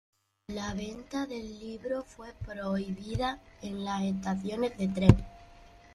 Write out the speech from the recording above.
La venta del libro fue prohibida en las estaciones de tren.